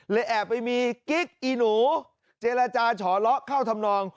แอบไปมีกิ๊กอีหนูเจรจาฉอเลาะเข้าทำนอง